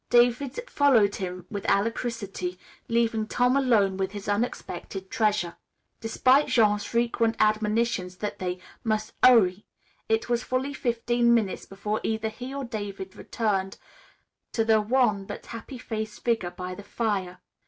David followed him with alacrity, leaving Tom alone with his unexpected treasure. Despite Jean's frequent admonitions that they "mus' 'urry," it was fully fifteen minutes before either he or David returned to the wan, but happy faced figure by the fire.